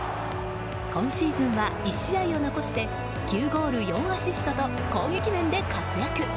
今シーズンは１試合を残して９ゴール４アシストと攻撃面で活躍。